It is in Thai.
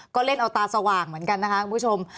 ก็เล่นเอาตาสว่างเหมือนกันนะคะคุณผู้ชม